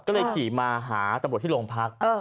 ก็เลยขี่มาหาตำรวจที่โรงพัก